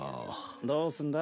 どうすんだ？